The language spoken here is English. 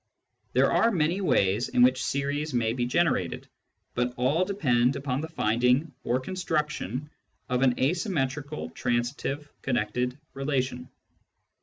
There are many ways in which series may be generated, but all depend upon the finding or construction of an asymmetrical transitive connected relation.